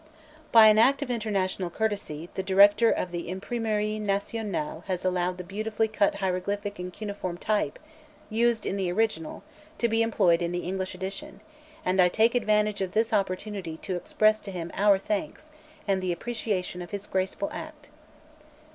By an act of international courtesy, the director of the Imprimerie Nationale has allowed the beautifully cut hieroglyphic and cuneiform type used in the original to be employed in the English edition, and I take advantage of this opportunity to express to him our thanks and appreciation of his graceful act.